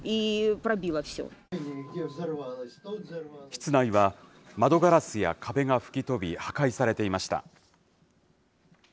室内は、窓ガラスや壁が吹き飛び、破壊されていました。